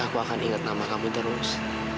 aku akan inget nama kamu terus